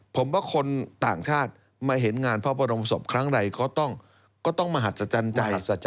ผมว่าคนต่างชาติมาเห็นงานพระบรมศพครั้งใดก็ต้องมหัศจรรย์ใจ